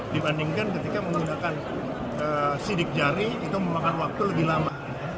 dibandingkan ketika menggunakan sidik jari itu memakan waktu lebih lama